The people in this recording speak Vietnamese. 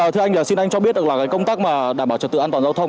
thưa anh xin anh cho biết là công tác mà đảm bảo trật tự an toàn giao thông